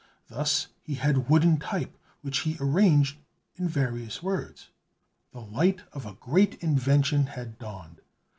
Thus he had wooden type, which he arranged in various words. The light of a great invention had dawned.